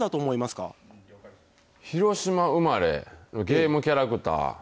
広島生まれのゲームキャラクター。